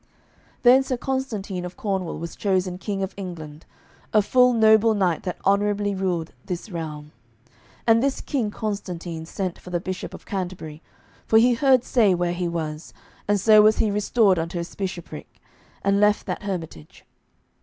Then Sir Constantine of Cornwall was chosen King of England, a full noble knight that honourably ruled this realm. And this King Constantine sent for the Bishop of Canterbury, for he heard say where he was, and so was he restored unto his bishopric, and left that hermitage.